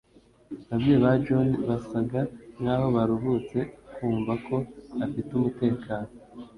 Ababyeyi ba John basaga nkaho baruhutse kumva ko afite umutekano